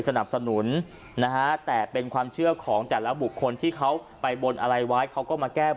สนับสนุนนะตะเป็นความเชื่อของแต่ละบุคคลที่เขาไปบมอะไรไว้เดี๋ยวก็มา